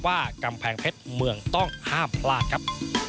กำแพงเพชรเมืองต้องห้ามพลาดครับ